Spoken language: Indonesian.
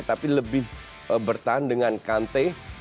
tapi lebih bertahan dengan kante